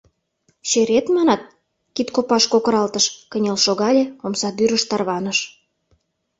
— Черет, манат? — кидкопаш кокыралтыш, кынел шогале, омсадӱрыш тарваныш.